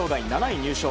７位入賞